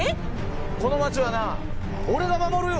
この街は俺が守るよ！